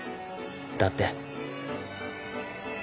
だって